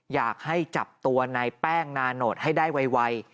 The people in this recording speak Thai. อยากให้จับตัวนายแป้งนาโนตให้ได้ไว